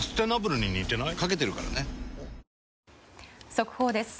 速報です。